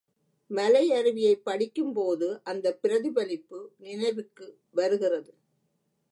மலையருவியைப் படிக்கும்போது அந்தப் பிரதிபலிப்பு நினைவிற்கு வருகிறது.